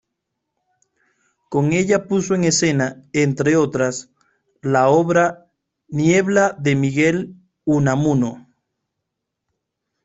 Con ella puso en escena, entre otras, la obra "Niebla", de Miguel de Unamuno.